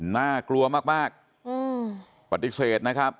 น่ากลัวมากปฏิเสธนะครับ